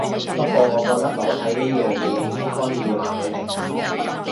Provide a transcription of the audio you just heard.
不過我覺得裸體呢樣嘢應該要男女平等